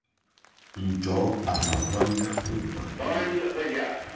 Njɔ̀ɔ́ à mà hwáŋgá ó hwàkó.